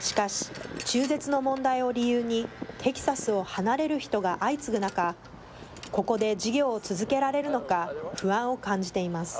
しかし、中絶の問題を理由に、テキサスを離れる人が相次ぐ中、ここで事業を続けられるのか、不安を感じています。